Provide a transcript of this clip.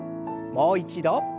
もう一度。